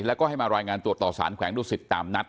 แล้วก็ให้มารายงานตัวต่อสารแขวงดุสิตตามนัด